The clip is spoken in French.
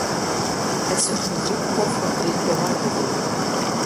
Elle se trouve vite confrontée au manque de vivres.